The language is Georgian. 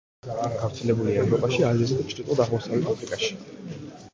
გავრცელებულია ევროპაში, აზიასა და ჩრდილო-აღმოსავლეთ აფრიკაში.